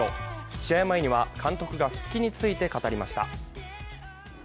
試合前には監督が復帰について語りました。